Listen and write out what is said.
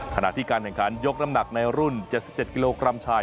ขณะที่การแข่งขันยกน้ำหนักในรุ่น๗๗กิโลกรัมชาย